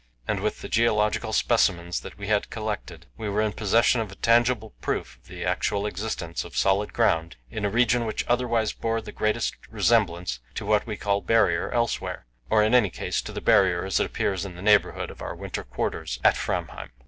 and with the geological specimens that we had collected, we were in possession of a tangible proof of the actual existence of solid ground in a region which otherwise bore the greatest resemblance to what we called "Barrier" elsewhere, or in any case to the Barrier as it appears in the neighbourhood of our winter quarters at Framheim.